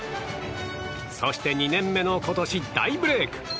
そして２年目の今年大ブレーク。